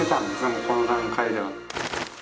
もうこの段階では。